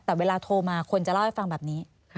แต่เวลาโทรมาคนจะเล่าให้ฟังแบบนี้